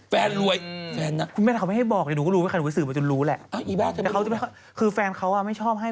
เพราะว่าแฟนให้ใครแบบไม่ดูเค้าเป็นเปิดตัว